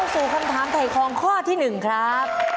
เข้าสู่คำถามไถ่ของข้อที่๑ครับ